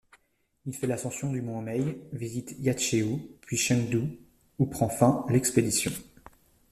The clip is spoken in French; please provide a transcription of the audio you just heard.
Il fait l'ascension du mont Omei, visite Yatchéou puis Chengdu où prend fin l'expédition.